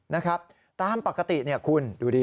นะครับตามปกติเนี่ยคุณดูดิ